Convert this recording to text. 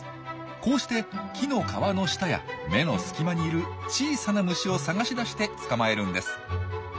こうして木の皮の下や芽の隙間にいる小さな虫を探し出して捕まえるんです。